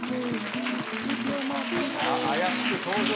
さあ怪しく登場して。